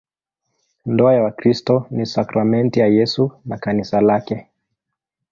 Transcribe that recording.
Ndoa ya Wakristo ni sakramenti ya Yesu na Kanisa lake.